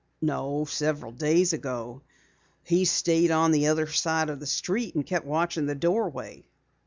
"No, several days ago. He stayed on the other side of the street and kept watching the doorway."